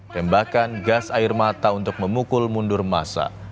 tembakan gas air mata untuk memukul mundur masa